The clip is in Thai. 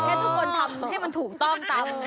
ให้ทุกคนทำให้มันถูกต้องตาม